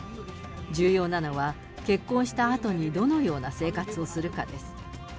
重要なのは、結婚したあとにどのような生活をするかです。